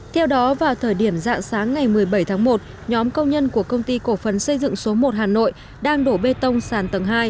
theo đó vào thời điểm dạng sáng ngày một mươi bảy tháng một nhóm công nhân của công ty cổ phần xây dựng số một hà nội đang đổ bê tông sàn tầng hai